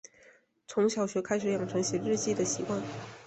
从小学开始养成写日记的习惯